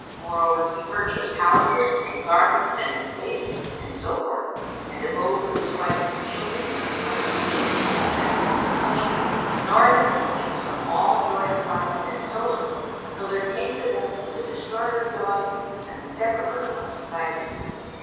Moreover, he purchased houses and gardens and estates and so forth and abode with his wife and his children and his mother, eating and drinking and pleasuring: nor did they cease from all joy of life and its solace till there came to them the Destroyer of delights and the Severer of societies.